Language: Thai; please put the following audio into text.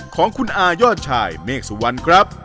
ของคุณอายอดชายเมฆสุวรรณครับ